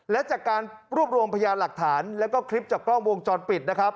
และจากการรวบรวมพยานหลักฐานแล้วก็คลิปจากกล้องวงจรปิดนะครับ